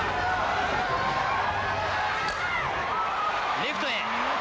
レフトへ。